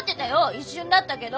一瞬だったけど。